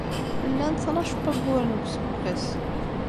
Llan tnac n wagguren deg useggas.